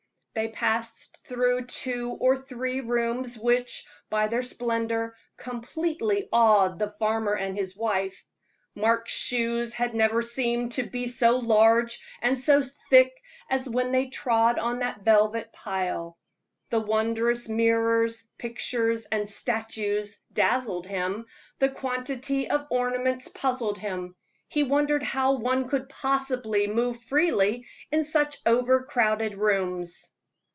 They passed through two or three rooms which, by their splendor, completely awed the farmer and his wife. Mark's shoes had never seemed to be so large and so thick as when they trod on that velvet pile. The wondrous mirrors, pictures and statues dazzled him, the quantity of ornaments puzzled him; he wondered how one could possibly move freely in such over crowded rooms.